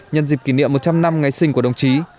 nhân dịp kỷ niệm một trăm linh năm ngày sinh của đồng chí